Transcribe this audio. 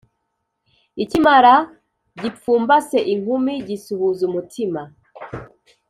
ikimara gipfumbase inkumi gisuhuza umutima.